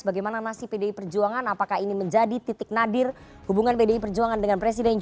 bagaimana nasib pdi perjuangan apakah ini menjadi titik nadir hubungan pdi perjuangan dengan presiden jokowi